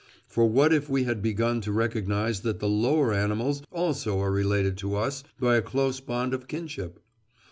For what if we have begun to recognise that the lower animals also are related to us by a close bond of kinship?